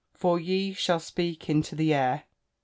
for ye shall speak into the air."